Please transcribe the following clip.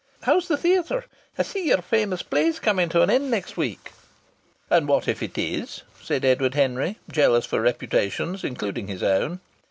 How's the theatre? I see yer famous play's coming to an end next week." "And what if it is?" said Edward Henry, jealous for reputations, including his own.